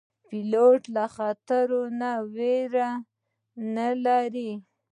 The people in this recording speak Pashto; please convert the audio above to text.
پیلوټ له خطرو نه ویره نه لري.